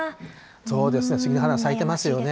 そうですね、スギの花、咲いてますよね。